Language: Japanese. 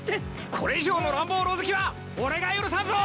これ以上の乱暴狼藉は俺が許さんぞ！